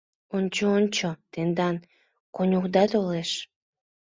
— Ончо, ончо, тендан конюхда толеш!